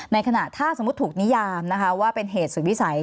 ในขณะถ้าสมมุติถูกนิยามนะคะว่าเป็นเหตุสุดวิสัย